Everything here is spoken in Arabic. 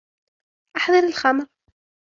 أحضر الخمر.